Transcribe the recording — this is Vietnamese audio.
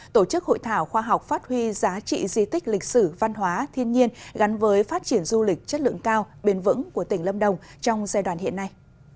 tổ chức hội thảo khoa học phát huy giá trị di tích lịch sử văn hóa thiên nhiên gắn với phát triển du lịch chất lượng cao bền vững của tỉnh lâm đồng trong giai đoạn hiện nay